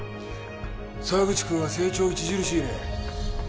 沢口くんは成長著しいね。